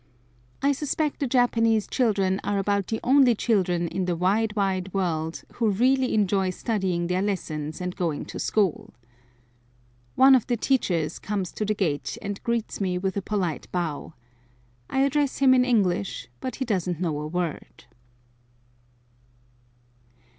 I suspect the Japanese children are about the only children in the wide, wide world who really enjoy studying their lessons and going to school. One of the teachers comes to the gate and greets me with a polite bow. I address him in English, but he doesn't know a word.